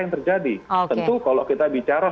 yang terjadi tentu kalau kita bicara